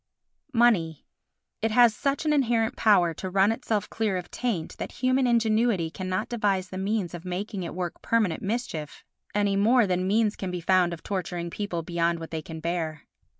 Money It has such an inherent power to run itself clear of taint that human ingenuity cannot devise the means of making it work permanent mischief, any more than means can be found of torturing people beyond what they can bear.